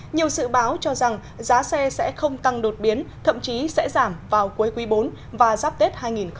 nhiều sự báo cho rằng giá xe sẽ không tăng đột biến thậm chí sẽ giảm vào cuối quý bốn và giáp tết hai nghìn hai mươi